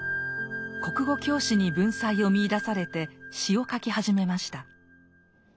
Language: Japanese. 国語教師に文才を見いだされて詩を書き始めました。